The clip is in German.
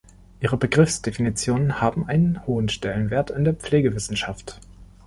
Ihre Begriffsdefinitionen haben einen hohen Stellenwert in der Pflegewissenschaft.